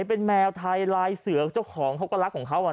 เป็นแมวไทยลายเสือกเจ้าของเขาก็รักของเขา